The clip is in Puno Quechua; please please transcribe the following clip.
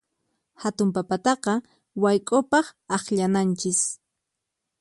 Hatun papataqa wayk'upaq akllananchis.